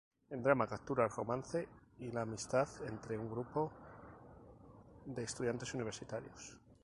El drama captura el romance y la amistad entre un grupo de estudiantes universitarios.